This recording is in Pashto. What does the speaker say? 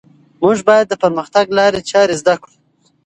موږ باید د پرمختګ لارې چارې زده کړو.